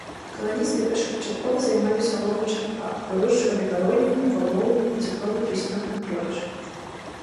Каланісты першапачаткова займаліся ловам чарапах, вырошчвалі гародніну, бавоўну і цукровы трыснёг на продаж.